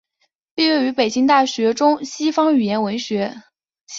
毕业于北京大学西方语言文学系。